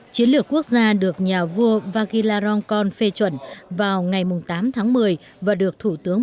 chiến lược quốc gia được nhà vua vagila rongkorn phê chuẩn vào ngày tám tháng một mươi và được thủ tướng